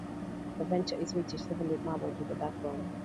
The venter is whitish, heavily marbled with dark brown.